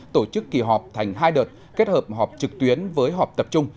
tổ chức kỳ họp thành hai đợt kết hợp họp trực tuyến với họp tập trung